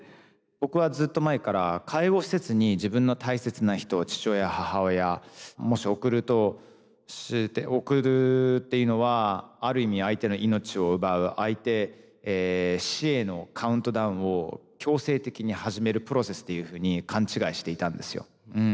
僕はずっと前から介護施設に自分の大切な人を父親母親もし送るとして送るっていうのはある意味相手の命を奪う相手死へのカウントダウンを強制的に始めるプロセスっていうふうに勘違いしていたんですよ。